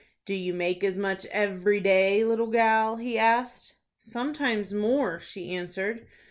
"Do you make as much every day, little gal?" he asked. "Sometimes more," she answered.